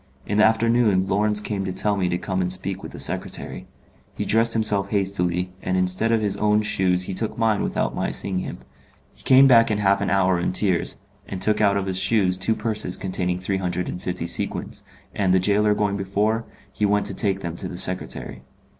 In the afternoon Lawrence came to tell him to come and speak with the secretary. He dressed himself hastily, and instead of his own shoes he took mine without my seeing him. He came back in half an hour in tears, and took out of his shoes two purses containing three hundred and fifty sequins, and, the gaoler going before, he went to take them to the secretary.